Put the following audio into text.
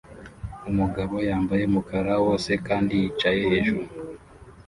Umugabo yambaye umukara wose kandi yicaye hejuru